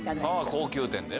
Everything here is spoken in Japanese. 高級店でね。